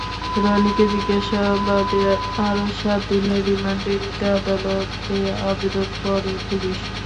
রনিকে জিজ্ঞাসাবাদে আরও সাত দিনের রিমান্ডে নিতে আদালতে আবেদন করে পুলিশ।